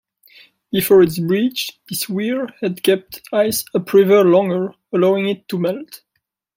Before its breach, this weir had kept ice upriver longer, allowing it to melt.